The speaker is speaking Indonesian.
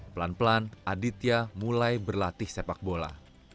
pelan pelan aditya mulai berlatih sepak bola